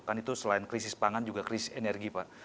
kan itu selain krisis pangan juga kris energi pak